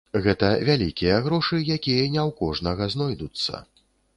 Гэта вялікія грошы, якія не ў кожнага знойдуцца.